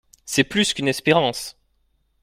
C’est plus qu’une espérance !